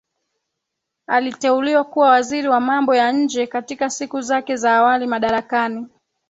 Aliteuliwa kuwa Waziri wa Mambo ya Nje katika siku zake za awali madarakani